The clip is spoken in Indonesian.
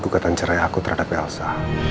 dukatan cerai aku terhadap elsa